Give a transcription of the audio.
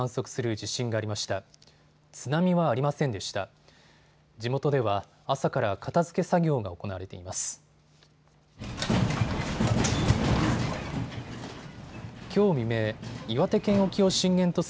地元では朝から片づけ作業が行われています。